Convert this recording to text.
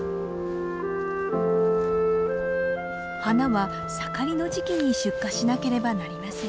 花は盛りの時期に出荷しなければなりません。